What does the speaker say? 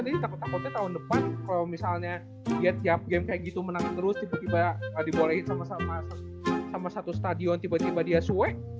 nanti takut takutnya tahun depan kalo misalnya dia tiap game kayak gitu menang terus tiba tiba nggak dibolehin sama satu stadion tiba tiba dia sue